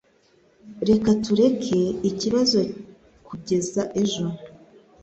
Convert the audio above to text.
Reka tureke ikibazo kugeza ejo